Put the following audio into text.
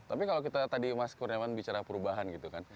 tapi kalau kita tadi mas kurniawan bicara perubahan gitu kan